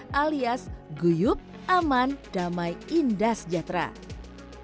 yang memiliki kekuatan yang sangat baik yang sangat baik yang sangat baik yang sangat baik